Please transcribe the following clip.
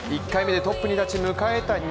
１回目でトップに立ち迎えた